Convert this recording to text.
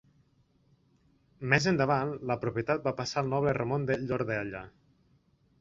Més endavant, la propietat va passar al noble Ramon de Llordella.